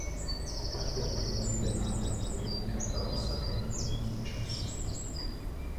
Le carte vengono rivelate ed ogni carta rossa conta come un successo.